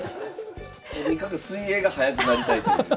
とにかく水泳が速くなりたいという。